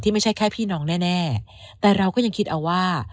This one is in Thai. ไม่ใช่แค่พี่น้องแน่แต่เราก็ยังคิดเอาว่า